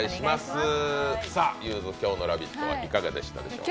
ゆーづ、今日の「ラヴィット！」はいかがでしたでしょうか？